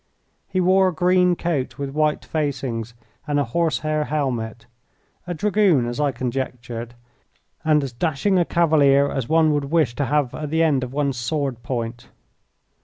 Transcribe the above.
He wore a green coat with white facings, and a horse hair helmet a Dragoon, as I conjectured, and as dashing a cavalier as one would wish to have at the end of one's sword point.